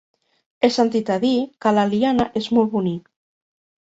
He sentit a dir que l'Eliana és molt bonic.